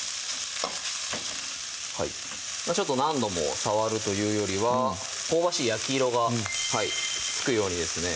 ちょっと何度も触るというよりは香ばしい焼き色がつくようにですね